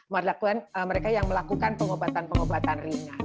mereka yang melakukan pengobatan pengobatan ringan